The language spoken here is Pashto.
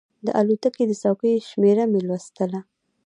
د الوتکې د څوکیو شمېره مې لوستله.